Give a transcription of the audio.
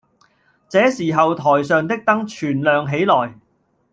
這時候台上的燈全亮起來